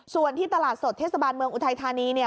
ส่วนที่ตลาดสดเทศบาลเมืองอุทัยธานีเนี่ย